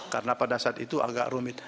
karena pada saat itu agak rumit